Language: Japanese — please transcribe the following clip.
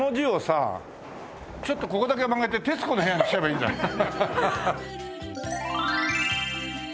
ちょっとここだけ曲げて「てつこの部屋」にしちゃえばいいんじゃない？